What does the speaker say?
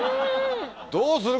どうする？